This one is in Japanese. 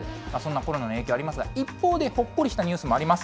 そんなコロナの影響ありますが、一方でほっこりしたニュースもあります。